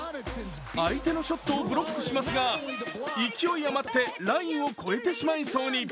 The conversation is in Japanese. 相手のショットをブロックしますが勢い余ってラインを越えてしまいそうに。